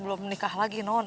belum nikah lagi non